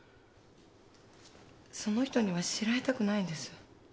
その人には知られたくないんです。